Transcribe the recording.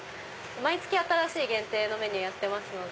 毎月新しい限定のメニューやってますので。